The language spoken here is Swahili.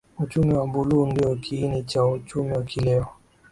Uchumi wa buluu ndio kiini cha uchumi wa kileo